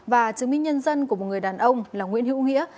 và chứng minh nhân dân của một người đàn ông là nguyễn hữu nghĩa